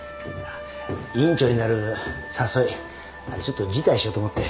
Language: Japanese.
院長になる誘いあれちょっと辞退しようと思って。